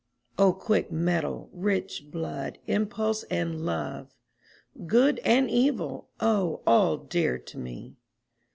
O quick mettle, rich blood, impulse, and love! Good and evil! O all dear to me!